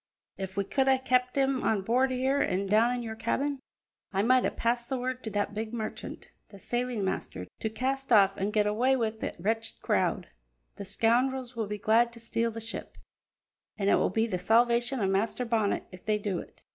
If we could hae kept him on board here an' down in your cabin, I might hae passed the word to that big miscreant, the sailing master, to cast off an' get awa' wi' that wretched crowd. The scoundrels will be glad to steal the ship, an' it will be the salvation o' Master Bonnet if they do it."